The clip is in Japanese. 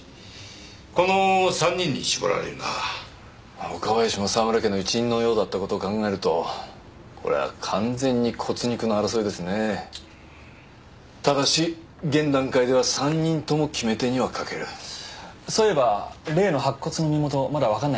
この３人に絞られるな岡林も沢村家の一員のようだったことを考えるとこれは完全に骨肉の争いですねただし現段階では３人とも決め手には欠けるそういえば例の白骨の身元まだ分かんないんですか？